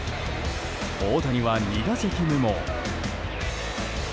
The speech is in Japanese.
大谷は２打席にも。